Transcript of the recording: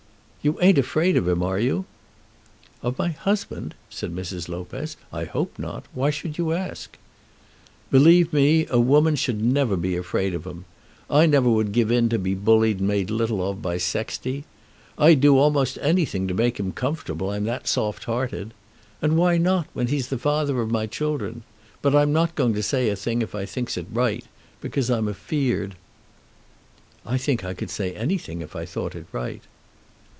"You ain't afraid of him; are you?" "Of my husband?" said Mrs. Lopez. "I hope not. Why should you ask?" "Believe me, a woman should never be afraid of 'em. I never would give in to be bullied and made little of by Sexty. I'd do a'most anything to make him comfortable, I'm that soft hearted. And why not, when he's the father of my children? But I'm not going not to say a thing if I thinks it right, because I'm afeard." "I think I could say anything if I thought it right."